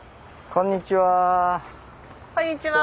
こんにちは。